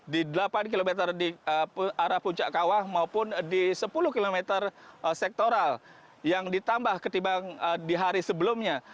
di delapan km di arah puncak kawah maupun di sepuluh km sektoral yang ditambah ketimbang di hari sebelumnya